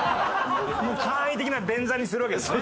簡易的な便座にするわけですね。